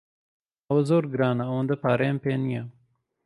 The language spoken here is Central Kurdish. ئەوە زۆر گرانە، ئەوەندە پارەیەم پێ نییە.